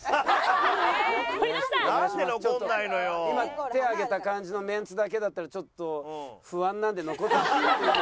今手挙げた感じのメンツだけだったらちょっと不安なんで残ってもらっていいですか？